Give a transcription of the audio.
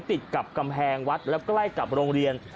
ติดกับกำแพงวัดและใกล้กับโรงเรียน